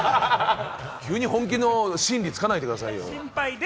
急に本気のトーンで使わないでくださいよ。